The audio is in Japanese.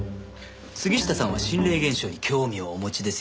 杉下さんは心霊現象に興味をお持ちですよね？